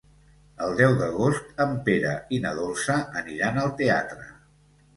El deu d'agost en Pere i na Dolça aniran al teatre.